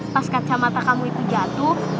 pas kacamata kamu itu jatuh